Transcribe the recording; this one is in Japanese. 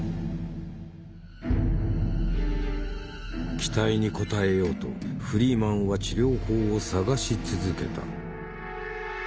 期待に応えようとフリーマンは治療法を探し続けた。